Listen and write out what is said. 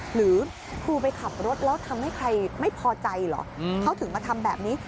หรือครูไปขับรถแล้วทำให้ใครไม่พอใจเหรอเขาถึงมาทำแบบนี้